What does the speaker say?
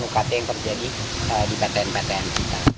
peningkatan ukt yang terjadi di baten baten kita